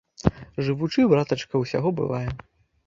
Жывучы, братачка, усяго бывае.